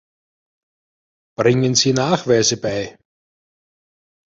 Bringen Sie Nachweise bei.